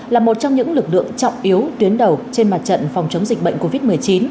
là một trong những lực lượng trọng yếu tuyến đầu trên mặt trận phòng chống dịch bệnh covid một mươi chín